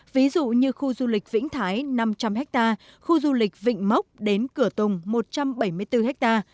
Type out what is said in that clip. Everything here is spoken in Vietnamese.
ví dụ như khu du lịch vĩnh thái năm trăm linh ha khu du lịch vịnh mốc đến cửa tùng một trăm bảy mươi bốn ha